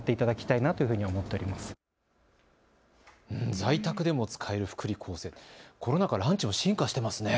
在宅でも使える福利厚生、コロナ禍、ランチは進化していますね。